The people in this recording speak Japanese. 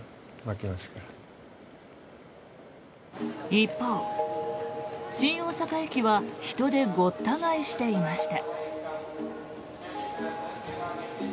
一方、新大阪駅は人でごった返していました。